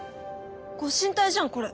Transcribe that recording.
御神体じゃんこれ！